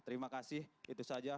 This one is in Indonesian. terima kasih itu saja